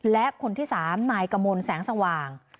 และคนที่๓นายกมลแสงสว่าง